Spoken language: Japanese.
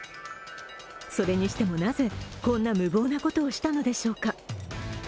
それにしてもなぜこんな無謀なことをしたのでしょうか。